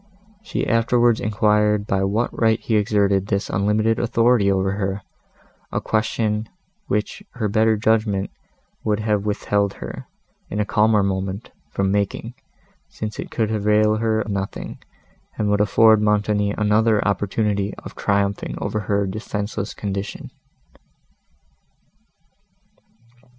She afterwards enquired by what right he exerted this unlimited authority over her, a question, which her better judgment would have withheld her, in a calmer moment, from making, since it could avail her nothing, and would afford Montoni another opportunity of triumphing over her defenceless condition.